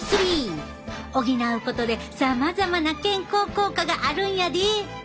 補うことでさまざまな健康効果があるんやで！